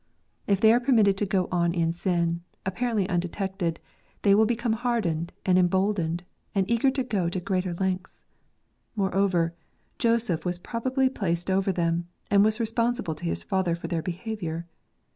If they are permitted to go on in sin, apparently undetected, they will become hardened and emboldened, and eager to go to greater lengths. Moreover, Joseph was probably placed over them, and was responsible to his father for their behaviour.